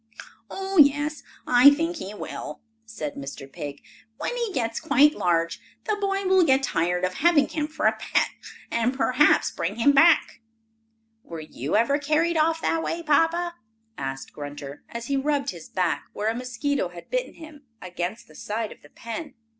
"Oh, yes, I think he will," said Mr. Pig. "When he gets quite large the boy will get tired of having him for a pet, and perhaps bring him back." "Were you ever carried off that way, Papa?" asked Grunter, as he rubbed his back, where a mosquito had bitten him, against the side of the pen.